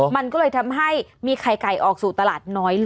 มันก็เลยทำให้มีไข่ไก่ออกสู่ตลาดน้อยลง